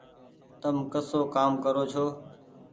تم ڪسو ڪآم ڪرو ڇو۔